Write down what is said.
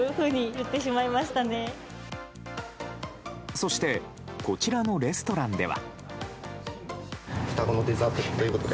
そしてこちらのレストランでは。